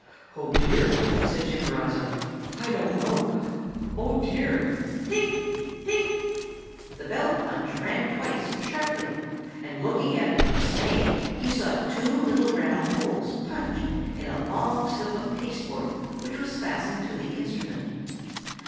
"'Oh, dear!' said Chimborazo, 'I don't know. Oh, dear!' "'Ting! ting!' the bell punch rang twice sharply; and looking at it in dismay, he saw two little round holes punched in a long slip of pasteboard which was fastened to the instrument.